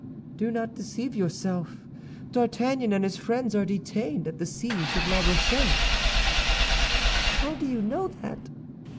"Do not deceive yourself. D'Artagnan and his friends are detained at the siege of La Rochelle." "How do you know that?"